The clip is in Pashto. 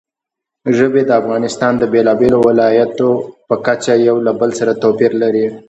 ژبې د افغانستان د بېلابېلو ولایاتو په کچه یو له بل سره توپیر لري.